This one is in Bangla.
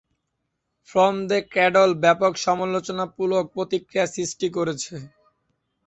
ফ্রম দ্যা ক্রেডল ব্যাপক সমালোচনামূলক প্রতিক্রিয়ার সৃষ্টি করেছে।